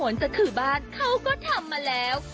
มาตั้งมาแล้ว